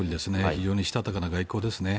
非常にしたたかな外交ですね。